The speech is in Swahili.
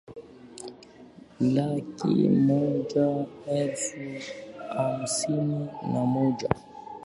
laki moja elfu hamsini na moja